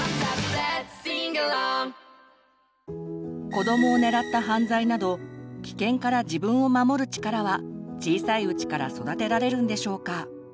子どもを狙った犯罪など危険から自分を守る力は小さいうちから育てられるんでしょうか？